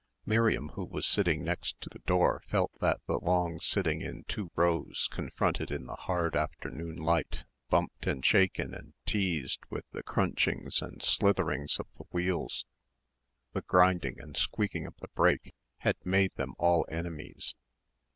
Miriam who was sitting next to the door felt that the long sitting in two rows confronted in the hard afternoon light, bumped and shaken and teased with the crunchings and slitherings of the wheels the grinding and squeaking of the brake, had made them all enemies.